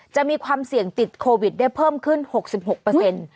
จะมีความเสี่ยงติดโควิดได้เพิ่มขึ้น๖๖เปอร์เซ็นต์